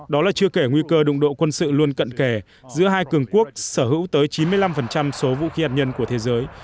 đó là chưa kể nguy cơ đụng độ quân sự luôn cận kề giữa hai cường quốc sở hữu tới chín mươi năm số vũ khí hạt nhân của thế giới